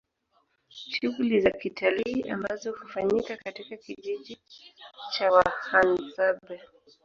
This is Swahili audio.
Shughuli za kitalii ambazo hufanyika katika kijiji cha Wahadzabe